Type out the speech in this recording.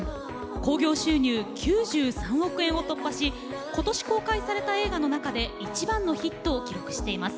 興行収入９３億円を突破しことし公開された映画の中でいちばんのヒットを記録しています。